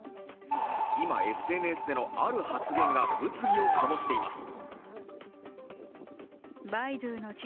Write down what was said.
今ＳＮＳでのある発言が物議を醸しています。